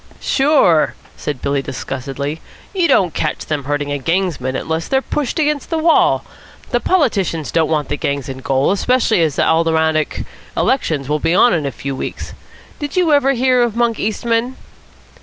"Sure," said Billy disgustedly. "You don't catch them hurting a gangsman unless they're pushed against the wall. The politicians don't want the gangs in gaol, especially as the Aldermanic elections will be on in a few weeks. Did you ever hear of Monk Eastman?"